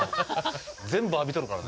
全部浴びとるからな。